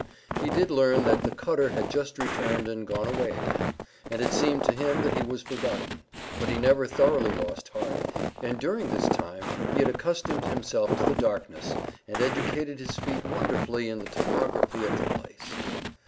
He did learn that the cutter had just returned and gone away again. And it seemed to him that he was forgotten, but he never thoroughly lost heart, and during this time he had accustomed himself to the darkness, and educated his feet wonderfully in the topography of the place.